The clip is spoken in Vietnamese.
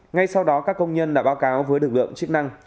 ngay sau đó các công nhân đã báo cáo với lực lượng chức năng